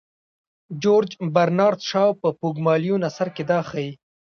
جورج برنارد شاو په پوګمالیون اثر کې دا ښيي.